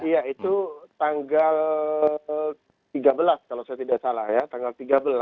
ya itu tanggal tiga belas kalau saya tidak salah ya tanggal tiga belas